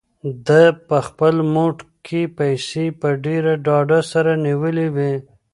ده په خپل موټ کې پیسې په ډېر ډاډ سره نیولې وې.